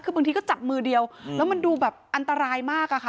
บางทีมันจับมือเดียวแล้วมันดูแบบอันตรายมาก